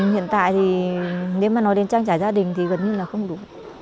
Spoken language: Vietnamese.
hiện tại thì nếu mà nói đến trang trải gia đình thì gần như là không đủ